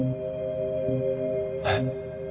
えっ？